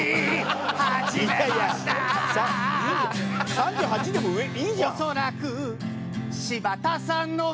３８位でもいいじゃん！